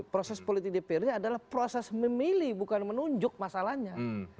proses politik dprd adalah proses memilih bukan menunjuk masalahnya